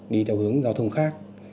đi theo hướng giao thông khác